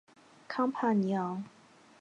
康帕尼昂。